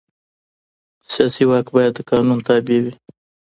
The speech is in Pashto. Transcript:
سیاسي واک باید د قانون تابع وي